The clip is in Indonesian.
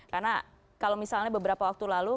karena kalau misalnya beberapa waktu lalu